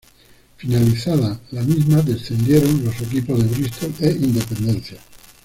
Finalizada la misma, descendieron los equipos de Bristol e Independencia.